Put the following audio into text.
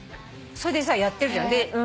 それでさやってるじゃん。